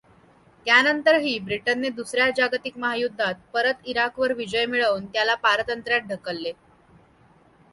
त्यानंतरही ब्रिटनने दुसऱ्या जागतिक महायुद्धात परत इराकवर विजय मिळवून त्याला पारतंत्र्यात ढकलले.